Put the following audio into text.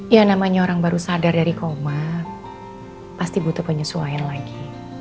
ya namanya orang baru sadar dari koma pasti butuh penyesuaian lagi